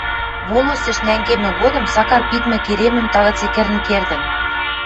волостьыш нӓнгемӹ годым Сакар пидмӹ керемӹм тагыце кӹрӹн кердӹн.